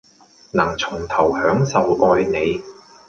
能從頭享受愛你